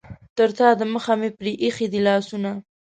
تر تا دمخه مې پرې ایښي دي لاسونه.